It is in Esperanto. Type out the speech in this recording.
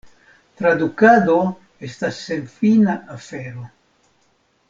Tradukado estas senfina afero.